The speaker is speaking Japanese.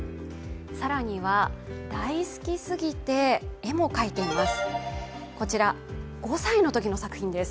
更には、大好きすぎて絵も描いています。